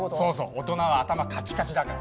大人は頭カチカチだから。